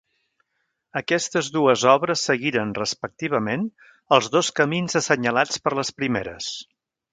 Aquestes dues obres seguiren, respectivament, els dos camins assenyalats per les primeres.